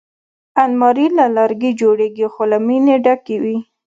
الماري له لرګي جوړېږي خو له مینې ډکې وي